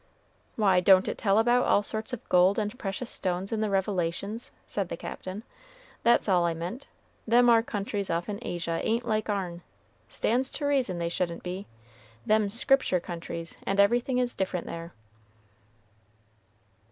"Why, don't it tell about all sorts of gold and precious stones in the Revelations?" said the Captain; "that's all I meant. Them ar countries off in Asia ain't like our'n, stands to reason they shouldn't be; them's Scripture countries, and everything is different there."